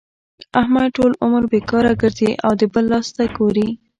احمد ټول عمر بېکاره ګرځي او د بل لاس ته ګوري.